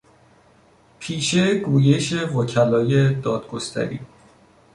پیشه گویش وکلای دادگستری